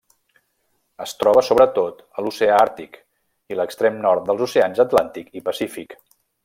Es troba sobretot a l'oceà Àrtic i l'extrem nord dels oceans l'Atlàntic i Pacífic.